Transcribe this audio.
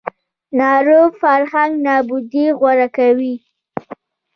ناروغ فرهنګ نابودي غوره کوي